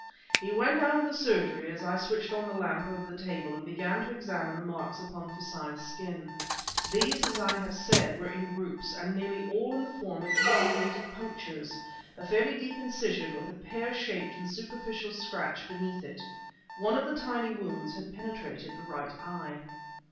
He went out of the surgery as I switched on the lamp over the table and began to examine the marks upon Forsyth's skin. These, as I have said, were in groups and nearly all in the form of elongated punctures; a fairly deep incision with a pear shaped and superficial scratch beneath it. One of the tiny wounds had penetrated the right eye.